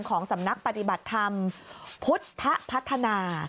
ของสำนักปฏิบัติธรรมพุทธพัฒนา